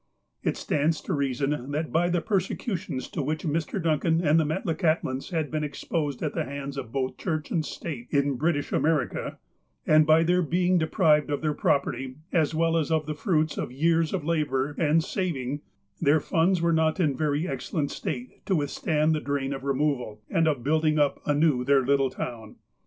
It stands to reason, that by the persecutions to which Mr. Duncan and the Metlakahtlans had been exposed at the hands of both Church and State in British America, and by their being deprived of their property, as well as of the fruits of years of labour and saving, their funds were not in a very excellent state to withstand the drain of removal, and of building up anew their little town.